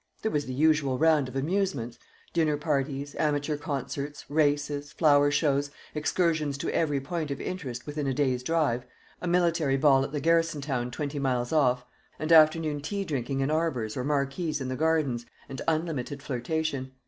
There was the usual round of amusements dinner parties, amateur concerts, races, flower shows, excursions to every point of interest within a day's drive, a military ball at the garrison town twenty miles off, perennial croquet, and gossip, and afternoon tea drinking in arbours or marquees in the gardens, and unlimited flirtation.